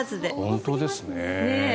本当ですね。